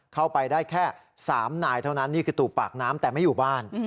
เข้าไปได้แค่๓นายเท่านั้นนี่คือตูบปากน้ำแต่ไม่อยู่บ้าน